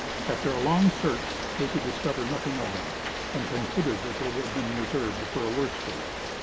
After a long search they could discover nothing of them, and concluded that they had been reserved for a worse fate.